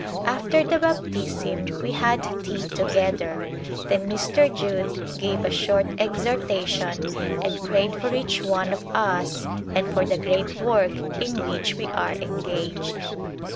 After the baptism we had tea together, then Mr. Judd gave a short exhortation and prayed for each one of us and for the great work in which we are engaged.